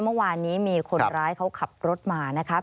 เมื่อวานนี้มีคนร้ายเขาขับรถมานะครับ